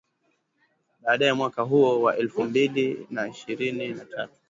baadae mwaka huo wa elfu mbili na ishirini na tatu